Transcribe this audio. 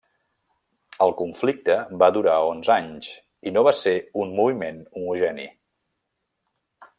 El conflicte va durar onze anys, i no va ser un moviment homogeni.